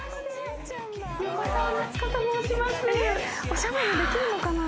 おしゃべりできんのかな？